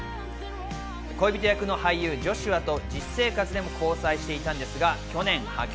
恋人役の俳優ジョシュアと実生活でも交際していたんですが、去年破局。